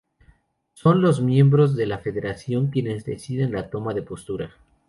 Son los miembros de la federación quienes deciden la toma de postura.